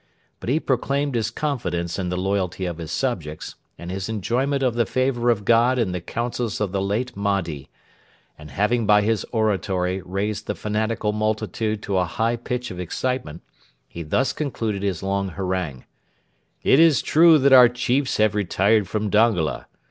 But he proclaimed his confidence in the loyalty of his subjects and his enjoyment of the favour of God and the counsels of the late Mahdi; and having by his oratory raised the fanatical multitude to a high pitch of excitement, he thus concluded his long harangue: 'It is true that our chiefs have retired from Dongola.